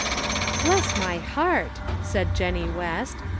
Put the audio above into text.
" Bless my heart," said Jennie West.